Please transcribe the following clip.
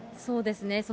そうですね。